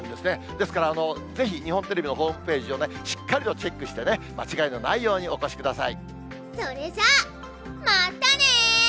ですから、ぜひ日本テレビのホームページをしっかりとチェックしてね、間違いのないようにお越しそれじゃあ、またねー！